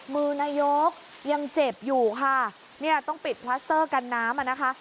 มือนายกยังเจ็บอยู่ค่ะต้องปิดพลาสเตอร์กันน้ำ